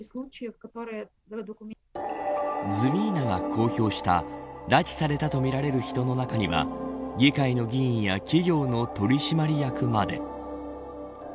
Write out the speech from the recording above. ＺＭＩＮＡが公表した拉致されたとみられる人の中には議会の議員や企業の取締役まで。